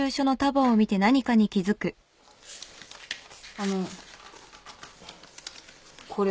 あのこれ。